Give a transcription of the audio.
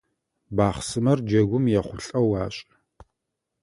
Бахъсымэр джэгум ехъулӏэу ашӏы.